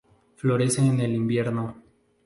Florece en el invierno.